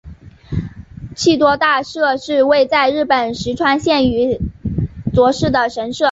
气多大社是位在日本石川县羽咋市的神社。